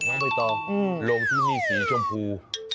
ไม่ต้องลงที่นี่สีชมพู